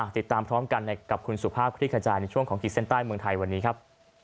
ติดตามพร้อมกันกับคุณสุภาพคลิกขจายในช่วงของขีดเส้นใต้เมืองไทยวันนี้ครับ